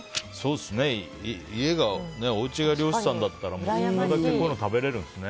おうちが漁師さんだったら好きなだけこういうの食べられるんですね。